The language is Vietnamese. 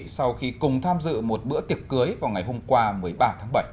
sau khi cùng tham dự một bữa tiệc cưới vào ngày hôm qua một mươi ba tháng bảy